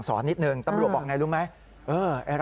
สอดสู้กันบนเกียรตินี่แหละ